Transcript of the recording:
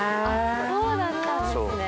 そうだったんですね。